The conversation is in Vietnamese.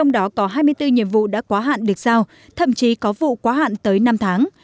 đó có hai mươi bốn nhiệm vụ đã quá hạn được giao thậm chí có vụ quá hạn tới năm tháng